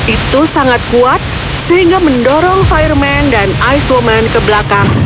itu sangat kuat sehingga mendorong fireman dan ice woman ke belakang